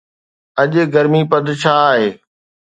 اڄ گرمي پد ڇا آهي؟